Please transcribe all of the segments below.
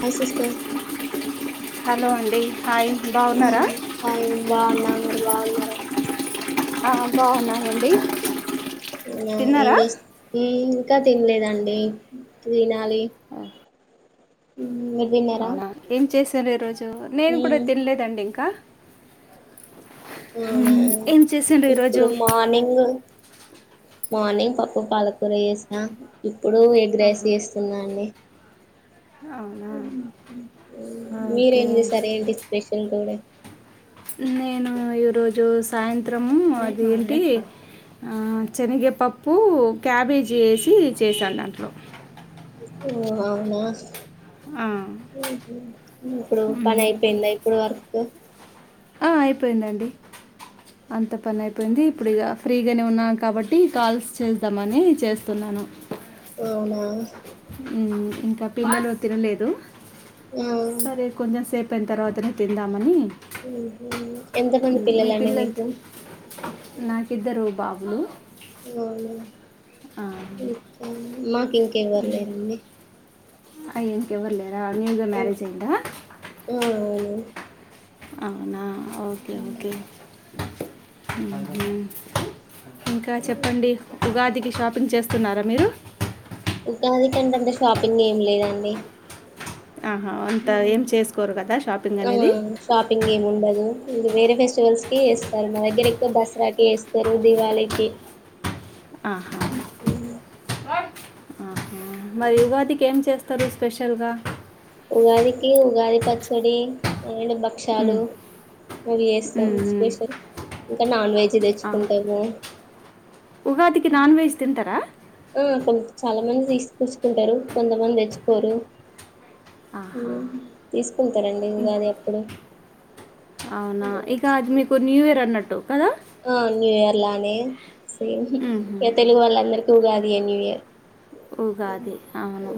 Hi sister hello అండి hi ఆ బాగున్నారా ఫైన్ బాగున్నా మర్ బాగున్నార ఆ బాగున్నాం ఆండీ ఆ ఏం చెస్తున్ ఉమ్ ఇంకా తినలేదండి తినాలి ఉమ్ తిన్నారా అవునా ఏం చేసారు ఈ రోజు నేను కూడా ఉమ్, తిన్లేదండీ ఇంకా అవునా మ్మ్, ఏం చేసిండ్రు ఈరోజు ఇప్పుడు మార్నింగు మార్నింగ్ పప్పు పాలకూర చేస్నా ఇప్పుడు ఎగ్ రైస్ ఆహా, చేస్తున్నాండి అవునా ఓకే మీరేం చేశారు ఏంటి స్పెషల్ టుడే నేను ఈరోజు సాయంత్రం అది ఏంటి ఆ చినిగేపప్పు క్యాబేజీ ఏసి చేసాను దాంట్లో ఓ అవునా ఆ, [inaudible] పని మ్మ్. అయిపోయిందా ఇప్పుడు వరకు ఆ, అయిపోయిందండి అంత పని అయిపోయింది ఇప్పుడు ఇగ ఫ్రీగానే ఉన్నాం కాబట్టి కాల్స్ చేద్దామని చేస్తున్నా ను అవునా ఉమ్ ఇంకా పిల్లలు తినలేదు ఆ, సరే కొంచెం సేప్ పెంతరువాతనే తిందామని ఊ హ్మ్ ఎంత మంది ఉమ్, మీ పిల్లలండి మీకు ఇద్దరు బాబులు అవునా ఆ, ఇంకా మాకు ఇంకేవ్వరు లేరండి అయ ఇంకెవ్వరు లేరా న్యూగా హ్మ్. మ్యారేజ్ అయిందా ఆ అవును అవునా ఓకే ఓకే హ్మ్ హ్మ్ ఇంకా చెప్పండి ఉగాదికి షాపింగ్ చేస్తున్నారా మీరు ఉగాది కంటే అంటే షాపింగ్ ఏం లేదండి ఆహా అంత హ్మ్ ఏం చేసుకోరు కదా షాపింగ్ ఆ అనేది షాపింగ్ ఏమి ఉండదు ఇంకా వేరే ఫెస్టివల్స్ కి వేస్తారు మా దగ్గర ఎక్కువ దసరాకి వేస్తారు దివాళికి [inaudible] ఆహ మరి ఊగాదికి ఏం చేస్తారు స్పెషల్గా ఉగాదికి ఉగాది పచ్చడి అలానే భక్షాలు ఉమ్, అవి చేస్తాం ఉమ్, ఉమ్. స్పెషల్ ఇంకా నాన్ వెజ్ ఆ. తెచ్చుకుంటాము ఉగాదికి నాన్ వెజ్ తింటా [unintelligible] చాలా మంది తీసుకచుకుంటారు కొంతమంది తెచ్చుకోరు ఆహా ఉమ్ తీసుకుంటారంండి ఇం- ఉగాది అప్పుడు అవునా ఇక అది హ్మ్. మీకు న్యూ ఇయర్ అన్నట్టు కదా ఆ న్యూ ఇయర్ లానే సేమ్ ఉహు. ఈ తెలుగు వాళ్ళ అందరికి Ugadi a new year Ugadi అవును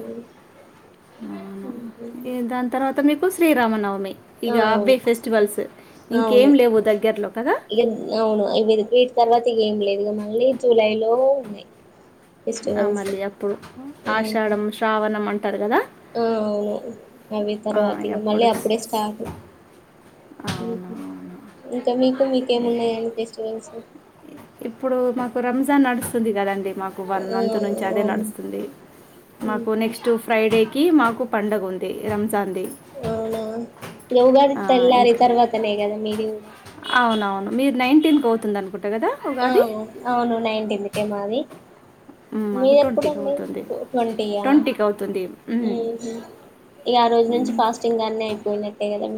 అవును ఈ దాని తర్వా [unintelligible] మీకు శ్రీరమ నవమి ఇగ ఆ అవే ఫెస్టివల్స్ అవును ఇంకేం లేవు దగ్గరలో కదా ఇక అవును ఇ వీటి తర్వాత ఇక ఏం లేవ్ ఇగ మళీ జూలై లో ఉన్నాయి ఆ ఫెస్టివల్స్ మళ్ళీ అప్పుడు ఉమ్. ఆషాఢం శ్రావణం అంటారు కదా ఆ అవును అవి ఆ, తర్వాత ఇక మళ్ళీ ఎప్పుడు అప్పుడే స్టార్ట్ అవును ఉమ్మ్మ్ అవును ఇంకా మీకు మీకేమున్నాయ అని ఫెస్టివల్స్ ఇప్పుడు మాకు రంజాన్ నడుస్తుంది కదండి మాకు వన్ ఆ మంత్ నుంచి అదే అవును. నడుస్తుంది మాకు ఉహు. నెక్స్ట్ ఫ్రైడే కి మాకు పండగ ఉంది రం అవునా న ఉగాది ఆ, తెల్లారి ఇంకా తర్వాతనే కదా మీరు అవునవును మీరు నైన్టింత్ అవుతుంది అనుకుంటు ఆ అవును నైన్టీకే మాది ఉమ్, మాకు మీది ట్వంటీకి ఎప్పుడుండి అవుతుంది ట్వంటీయా ట్వంటీకి అవుతుంది ఉమ్. ఉహు ఇక ఆ రోజు నుంచి ఫాస్టింగ్ అన్ని అయిపోయినట్టేయి కదా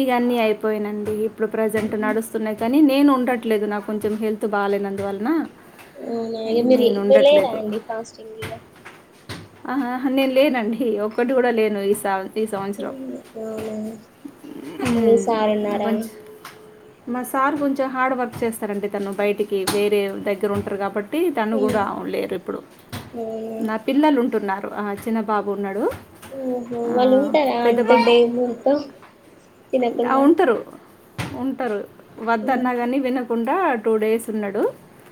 ఇగా అన్నీ అయిపోయానండి ఇప్పుడు ప్రజెంట్ హ్మ్. నడుస్తున్నాయి కానీ నేను ఉండట్లేదు నాకు కొంచెం హెల్త్ బాలేనందువలన అవునా మీరు లేరా అండి ఫాస్టింగ్ ఇగ ఆహా హా నేను లేనండి ఒక్కటి కూడా లేను ఈ ఈ సంవత్సరం ఈ సార్ నాకు ఉన్నారా కొంచెం మా సార్ కొంచెం హార్డ్ వర్క్ చేస్తారండి తను బయటికి వేరే దగ్గర ఉంటారు కాబ ట్టి తను కూడా లేరు ఇప్పుడు అవునా నా పిల్లలు ఉంటున్నారు ఆ చిన్న బాబు ఉన్నాడు ఓహో ఆ, వాళ్ళు ఉంటారా పెద్ద అంత బాబు డే మొత్తం ఆ, తినకుండా ఉంటారు ఉంటారు హ్మ్. వద్దన్నా కానీ వినకుండా టూ డేస్ ఉన్నాడు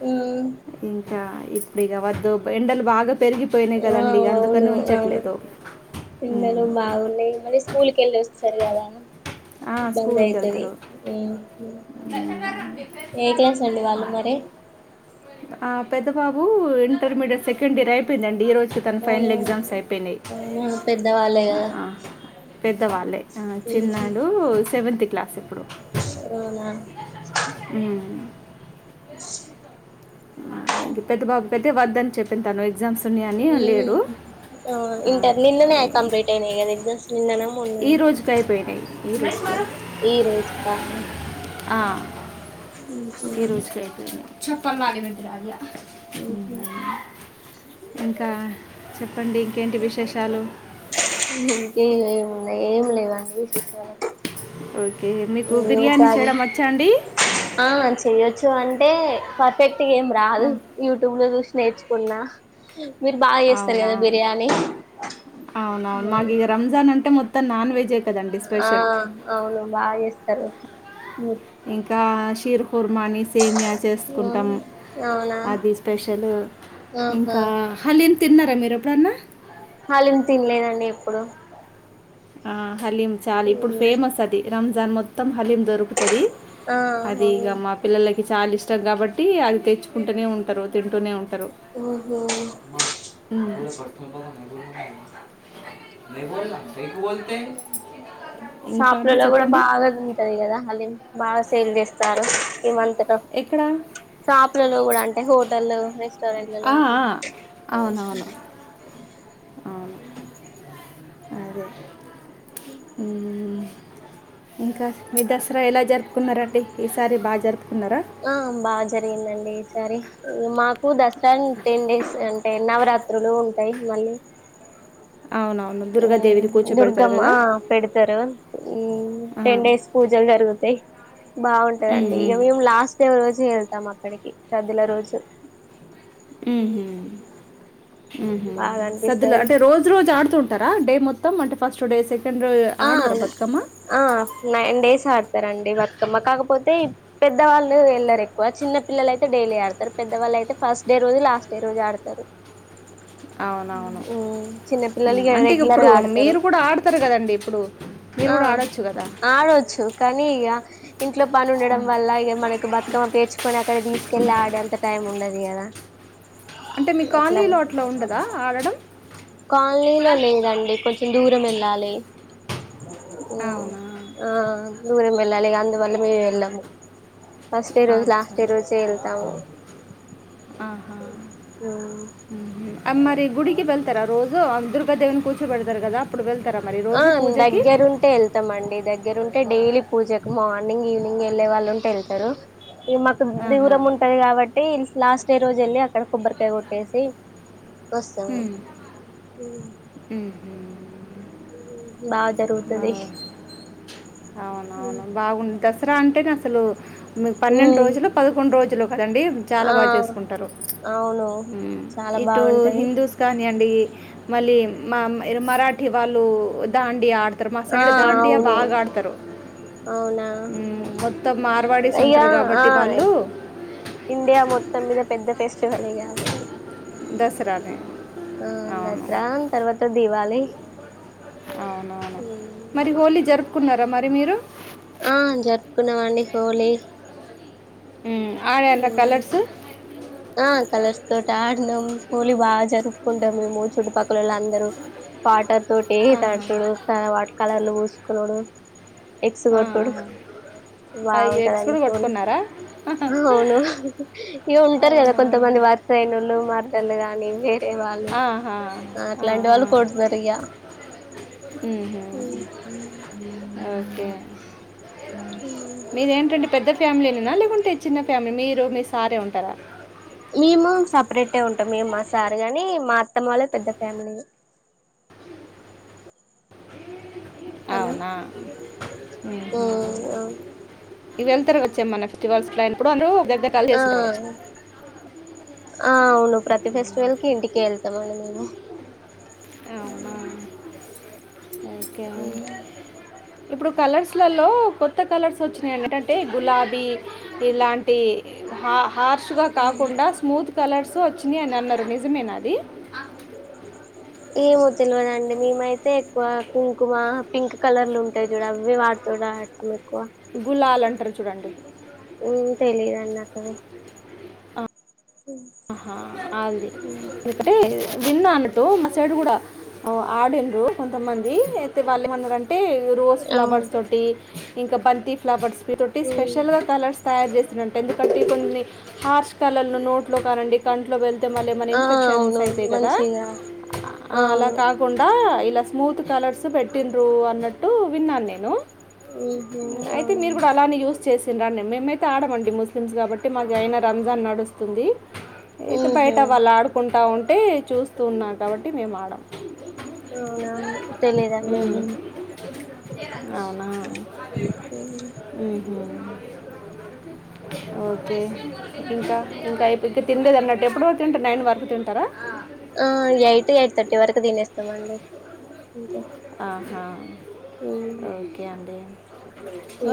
హ్మ్. ఇంకా ఇప్పుడు ఇక వద్దు ఎండలు బాగా పెరిగిపోయి ఆ కదండి అందుకని అవును అవును ఉంచట్లేదు సరి అదా ఆ, స్కూల్కి బందైతది వెళ్తారు మరి [inaudible] ఆ పెద్ద బాబు ఇంటర్మీడియట్ సెకండ్ ఇయర్ అయిపోయిందండి ఈరోజు తన అవునా ఫైనల్ ఎగ్జామ్స్ అయిపోయినాయి అవునా పెద్దవాళ్ళే కదా పెద్దవాళ్ళే చిన్న డు సెవెంతు క్లాస్ ఇప్పుడు అవునా అ ఇంక పెద్ద బాబుకి అయితే వద్దని చెప్పి తాను ఉమ్మ్ ఆ, ఇంటర్ నిన్ననే ఈ- కంప్లీట్ అయిన కద ఎగ్జామ్స్ నిన్ననే మొన్న ఈ నా రోజుకి అయిపోయినాయి ఈ రోజు ఈ రోజు ఆ, [unintelligible] చెప్పనా మారే మీద్ద రాగ అ ఇంకా చెప్పండి ఇంకేంటి విశేషాలు ఇంకేమున్నాయి ఏం లేవాండి విశేషాలు ఓకే మీకు ఏదో బిర్యానీ కాది చేయడం వచ్చ ఆ చెయొచ్చు అంటే పర్ఫెక్ట్ ఏం ఆ, రాదు యూట్యూబ్ లో చూసి నేర్చుకున్న మీరు బాగా చేస్తారు అవునా కదా బిర్యానీ అవునవును మాకు ఇగ రంజాన్ ఉంటే మొత్తం నాన్ వెజ్ ఎ ఆ అవును బాగా చేస్తారు ఇంకా షీర్ కుర్మాని సేమియా ఉమ్ చేసుకుంటాము అవునా అది స్పెషల్ ఆహా ఇంకా హలీమ్ తిన్నారా మీరు ఎప్పుడన్నా హలీమ్ తినలేదండి ఎప్పుడు ఆ హలీం చాలా ఇప్పుడు ఉమ్ ఫేమస్ అది రంజాన్ మొత్తం హలీం దొరుకుతది ఆ అది ఇక అవును మా పిల్లలకి చాలా ఇష్టం కాబట్టి అది తెచ్చుకుంటూనే ఉంటారు తింటూనే ఉంటారు ఉహు ఉం న ఇంకా అంటే షాపులలో కూడా చెప్పండి బాగా ఉంటది కదా హలీం బాగా సేల్ చేస్తారు ఈమంతలో ఎక్కడ షాపులలో కూడా అంటే హోటల్ ఆ, రెస్టారెంట్లలో ఆ, అ అవునవును అవును అదే ఉ మ్మ్. ఇంకా మీ దసరా ఎలా జరుపుకున్నరంటి ఈసారి బా జరుపు ఆ బా జరిగిందండి సరి మాకు దసరా టెన్ డేస్ అంటే నవరాత్రులు ఉంటాయి మళ్ళీ అవునవును దుర్గాదేవిని కూర్చోబెడతారు దుర్గమ్మ కదా ఆ పెడతరు ఉం ఆ. టెన్ డేస్ పూజలు జరుగుతయి మ్మ్, బాగుంటదండి మ్మ్. ఇవి లాస్ట్ డే రోజే వెళ్తాం అక్కడికి సద్దుల రోజు బాగా సద్దుల అనిపిస్తది అంటే రోజు రోజు ఆడుతూ ఉంటారా డే మొత్తం అంటే ఫస్ట్ డే సెకండ్ డే ఆ ఆడతారా బతుకమ్మ ఆ నైన్ డేస్ ఆడతారండి వత్ మ్మా కాకపోతే పెద్దవాళ్ళు వెళ్లరు ఎక్కువ చిన్న పిల్లలు అయితే డైలీ ఆడతారు పెద్దవాళ్ళు అయితే ఫస్ట్ డే లాస్ట్ డే రోజు ఆడతారు అవునవును చిన్న పిల్లలు అంటే రెగ్యులర్ ఇగిప్పుడు గా ఆడతారు మీరు గూడ ఆడతారు గదండి ఇప్పుడు మీరు ఆ కూడా ఆడొచ్చు కదా ఆడొచ్చు కనీ ఇంట్లో పనుండడం వల్ల ఇగ మనకి బతుకమ్మ పేచుకొని అక్కడ తీసుకెళ్ళి ఆడే అంత టైం ఉండదు గదా! అంటే మీ కాలనీలో అట్లో ఉండదా ఆడడం కాలనీలో లేదండి కొంచెం దూరం వెళ్ళాలి అవునా ఆ దూరం వెళ్ళాలిగ అందువల్ల మే వెళ్ళము ఫస్ట్ ఏ రోజు అచ్చా లాస్టే రోజే ఎళ్తాం ఆహా అ మరి గుడికి బల్ రోజు దుర్గ దేవిని కూర్చోబెడతారు గదా ఆ దగ్గరుంటే వెళ్తమండి దగ్గరుంటే డైలీ పూజ మార్నింగ్ ఈవినింగ్ వెళ్ళే వాళ్ళంటే వెళ్తరు ఇ మాకు ఆహా దూరం ఉంటది కాబట్టి లాస్ట్ డే రోజెళ్ళి అక్కడ కొబ్బరికాయ కొట్టేసి వస్తము మ్మ్. మ్మ్. బా జరుగుతుది అవునవును బాగుంది దసరా అంటేనే అసలు మీ పన్నెండు ఉమ్ రోజులు పదకొండు రోజులు కదండీ చాలా ఆ బా చేసుకుంటారు అవును చాలా ఇటు బాగుంటది హిం తుస్కానియండి మళ్ళీ మ మరాఠి వాళ్ళు దాండియా మా ఆ సైడ్ దాండియా అవును బాగా ఆడతరు అవునా మొత్తం మార్వాడీస్ ఇగ ఉంటరు ఆ కాబట్టి వాళ్ళు ఇండియా మొత్తం మీద పెద్ద ఫెస్టివల్ ఎ గాదు దసరా నే ఆ దసరా తర్వాత దివాళి మ్మ్ కున్నారా మరి మీరు ఆ జరుపుకున్నావండి హోళీ ఆడ ఎంత కలర్స్ ఆ కలర్స్ తోటి ఆడినం హోళీ బా జరుపుకుంటాం మేము చుట్టుపక్కలోల్లందరూ పాట తోటి ఆహా తాడుచాడు క వాట్ కలర్లు పూసుకునుడు ఎగ్స్ కొట్టుడు అవి ఎగ్స్ బాగుంటాదండి కూడా పూలి కొట్టుకున్నారా అవును ఇ ఉం గదా అవునా కొంతమంది వార్సైనులు మార్టర్లు గాని వే ఎవాళ్ళు ఆహా, ఆ అట్లాంటి ఆహా. వాళ్ళు కొడుతారిగ ఓకే మీదేంటండి పెద్ద ఫ్యామిలీనినా లేకుంటే చిన్న ఫ్యామిలీ మీరు మీ సారే ఉంటారా మేము సపరేటే ఉంటాం మేము మా సార్ గాని మా అత్తమ వాళ్ళ పెద్ద ఫ్యామిలీ హలో అవున ఆ ఇవి వెళ్తారు వచ్చే మన ఫెస్టివల్స్ ఇప్పుడు దగ్గర కలిసి ఆ చేసుకుంటారు వచ్చి ఆ అవును ప్రతి ఫెస్టివల్ కి ఇంటికెళ్త కట్ట మ మేము అకెవం ఇప్పుడు కలర్స్లలో కొత్త కలర్స్ వచ్చినాయి ఏంటంటే గులాబీ ఇలాంటి హ హార్ష్గా కాకుండా స్మూత్ కలర్స్ సో వచ్చింది అని అన్నారు నిజమేనా అది ఏమో తెలివడంండి మేమైతే ఎక్కువ కుంకుమ పింక్ కలర్లు ఉంటాయి చూడ అవి వాడుత ఎక్కువ గులాల్ అంటారు చూడండి ఇం తెలీదుడి నాకవి ఆహా అది ఉమ్ ఎందుకంటే విన్నా అన్నట్టు మా సైడ్ కూడ ఆడిన్రు కొంతమంది అయితే వాళ్ళ ఏమన్నారం టె రోజ్ అవును ఫ్లవర్స్ తోటి ఇంక బంతి ఫ్లవర్స్ తోటి ఉమ్ స్పెషల్గా కలర్స్ తయారు చేసి ఎందుకంటె కొన్ని హార్ష్ కలర్ నోట్ లో కానండి కంట్లో వె మళ్ళ ఏమన ఆ ఇన్ఫెక్షన్స్ అవును అయితయి కదా మంచిగా అలా అవును కాకుండా ఇలా స్మూత్ కలర్స్ పెట్టిన్రు అన్నట్టు విన్నాను నేను ఉహు అయితే అవునా మీర్ కూడ అలానే యూస్ చేస్ తినరా మేమైతే ఆడమండి ముస్లిమ్స్ కాబట్టి మాకయినా రంజాన్ నడుస్తుంది ఇక ఉహు బయట వాళ్ళు ఆడుకుంటా ఉంటే చూస్తూ ఉన్నారు కాబట్టి మేము ఆడము అవునా తెలిదండి ఉమ్, అవునా ఉమ్ ఉహు ఓకె ఇంకా ఇం ఇది తిన్లేద్ అన్నటు ఎప్పుడో తింటే నైన్ వరకు తింటార ఆ ఎయిట్ ఎయిట్ థర్టీ వరకు తినేస్తమండి అంతే ఆహా ఉమ్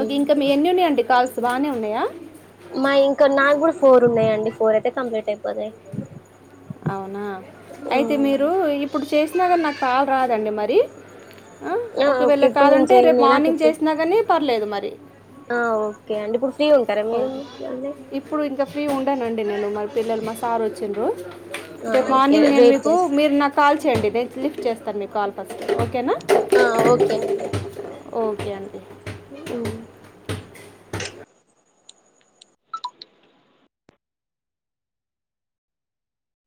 ఓకే ఇంక మీ ఎన్ని ఉన్నాయంండి కాల్ బానె ఉన్నాయ మా ఇంక నాక్కూడా ఫోర్ ఉన్నాయంండి ఫోర్ అయితే కంప్లీట్ అయిపోతాయి అవునా అయితే ఉమ్ మీరు ఇప్పుడు చేసిన గాని నాకు కాల్ రాదండి మరి ఆ ఓకే ఒకవేళ ఇప్పుడు నేను కాదంటే రేపు చేయండి నాకు మార్నింగ్ ఇప్పుడు చేసినా గానీ పర్లేదు మరి ఆ ఓకే అండి ఇప్పుడు ఫ్రీ ఉంటారా మీరు ఓకే మళ్ళీ ఇప్పుడు ఇంకా ఫ్రీ ఉండనండి నేను మారి పిల్లలు మా సార్ వచ్చిన్రు ఆ రేపు ఓకే మార్నింగ్ నేను రేపు మీకు చేస్త మీరు నాకు కాల్ చేయండి నేను లిఫ్ట్ చేస్తాన్ మీ కాల్ ఫస్ట్ ఓకేనా ఆ ఓకే అండి ఓకె అంటీ ఉ